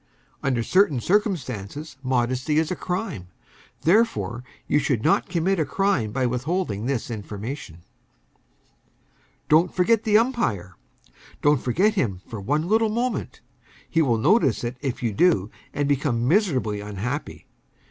Under certain circumstances modesty is a crime; therefore, you should not commit a crime by withholding this information. Don't forget the umpire. Don't forget him for one little moment. He will notice it if you do, and become miserably unhappy.